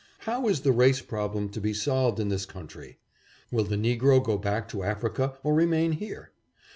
How is the race problem to be solved in this country ? Will the negro go back to Africa or remain here?